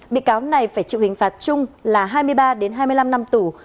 bị cáo này phải chịu hình phạt chung là hai mươi ba hai mươi năm năm tù